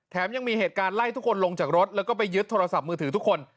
ยังมีเหตุการณ์ไล่ทุกคนลงจากรถแล้วก็ไปยึดโทรศัพท์มือถือทุกคน